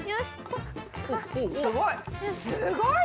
すごい。